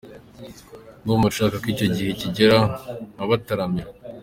Ndumva nshaka ko icyo gihe kigera nkabataramira.